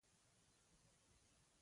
د سیګریټو د ډېر اعتیاد په وجه.